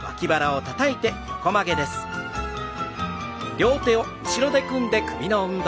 両手を後ろに組んで首の運動。